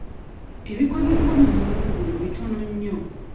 Ebikozesebwa mu mulimu guno bitono nnyo.